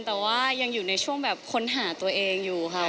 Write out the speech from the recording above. แต่ว่ายังอยู่ในช่วงแบบค้นหาตัวเองอยู่ค่ะ